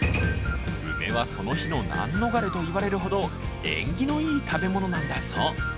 梅はその日の難逃れと言われるほど縁起のいい食べ物なんだそう。